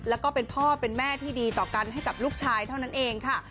แล้วก็เป็นพ่อเป็นแม่ที่ดีต่อกันให้กับลูกชายเท่านั้นเองค่ะ